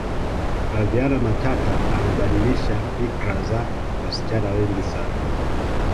flaviana matata amebadilisha fikra za wasichana wengi sana